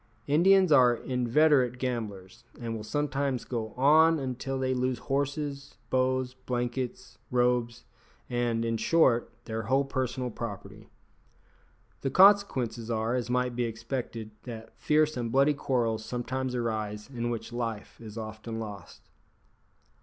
Indians are inveterate gamblers, and will sometimes go on until they lose horses, bows, blankets, robes, and, in short, their whole personal property. The consequences are, as might be expected, that fierce and bloody quarrels sometimes arise in which life is often lost.